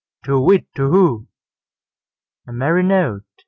To whit, Tu whoo! A merry note!